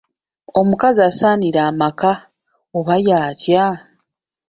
Omukazi asaanira amaka oba y'atya?